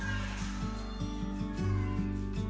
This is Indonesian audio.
ketika overpopulasi itu tidak bisa ditekan